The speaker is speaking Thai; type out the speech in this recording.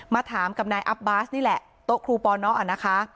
ถามกับนายอัพบาสนี่แหละโต๊ะครูปอนนะคะ